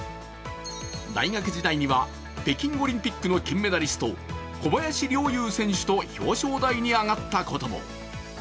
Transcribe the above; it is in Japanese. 大学時代には北京オリンピックの金メダリスト、小林陵侑選手と表彰台に上がったことも。